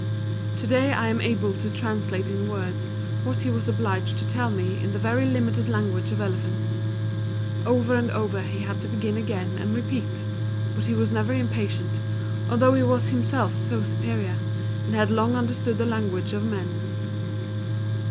To day I am able to translate in words what he was obliged to tell me in the very limited language of elephants. Over and over he had to begin again and repeat; but he was never impatient, although he was himself so superior, and had long understood the language of men.